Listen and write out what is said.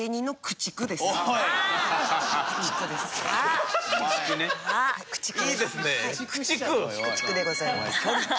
駆逐でございます。